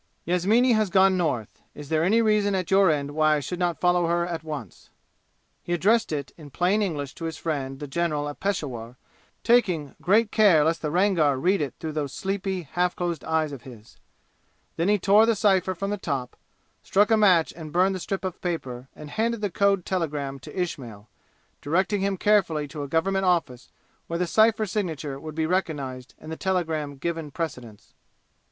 "Yasmini has gone North. Is there any reason at your end why I should not follow her at once?" He addressed it in plain English to his friend the general at Peshawur, taking great care lest the Rangar read it through those sleepy, half closed eyes of his. Then he tore the cypher from the top, struck a match and burned the strip of paper and handed the code telegram to Ismail, directing him carefully to a government office where the cypher signature would be recognized and the telegram given precedence.